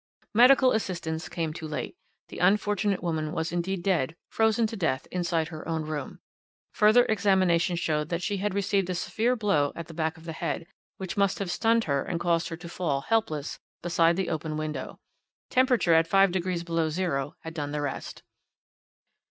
"Medical assistance came too late; the unfortunate woman was indeed dead, frozen to death, inside her own room. Further examination showed that she had received a severe blow at the back of the head, which must have stunned her and caused her to fall, helpless, beside the open window. Temperature at five degrees below zero had done the rest.